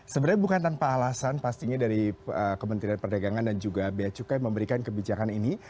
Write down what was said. sebenarnya bukan tanpa alasan pastinya dari kementerian perdagangan dan juga bea cukai memberikan kebijakan ini